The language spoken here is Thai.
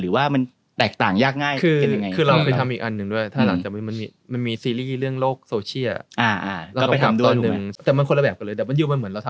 หรือว่ามันแตกต่างยากง่าย